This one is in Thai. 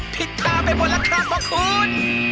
ผิดทางไปหมดแล้วครับขอบคุณ